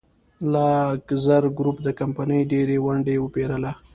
لاکزر ګروپ د کمپنۍ ډېرې ونډې وپېرله.